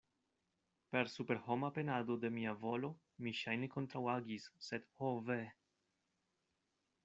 Per superhoma penado de mia volo mi ŝajne kontraŭagis, sed ho ve!